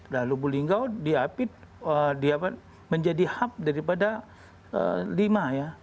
nah lubuk linggo diapit menjadi hub daripada lima ya